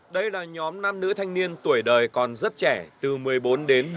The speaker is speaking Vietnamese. đây là nhóm nam nữ thanh niên tuổi đời còn rất trẻ từ một mươi bốn đến một mươi